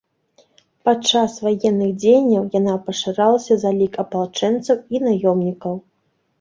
Падчас ваенных дзеянняў яна пашыралася за лік апалчэнцаў і наёмнікаў.